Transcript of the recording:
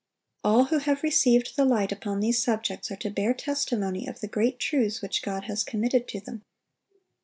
All who have received the light upon these subjects are to bear testimony of the great truths which God has committed to them.